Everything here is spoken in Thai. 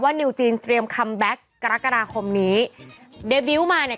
นิวจีนเตรียมคัมแบ็คกรกฎาคมนี้เดบิวต์มาเนี่ย